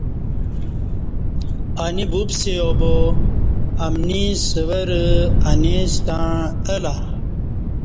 انی وپسیا با امنی سور انی ستݩع الہ